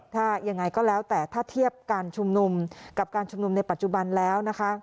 ถ้ายังไงก็แล้วแต่ถ้าเทียบการชุมนุมกับการชุมนุมในปัจจุบันแล้วนะคะ